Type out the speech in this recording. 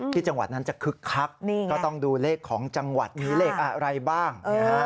จังหวัดนั้นจะคึกคักก็ต้องดูเลขของจังหวัดมีเลขอะไรบ้าง